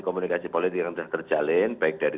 komunikasi politik yang sudah terjalin baik dari